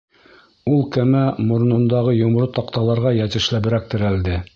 Ул кәмә моронондағы йомро таҡталарға йәтешләберәк терәлде.